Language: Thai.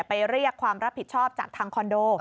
เรียกความรับผิดชอบจากทางคอนโด